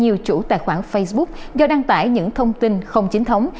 nhiều chủ tài khoản facebook do đăng tải những thông tin không chính thống